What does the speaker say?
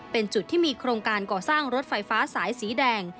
เป็นจุดที่มีโครงการก่อสร้างรถไฟฟ้าสายสีแดง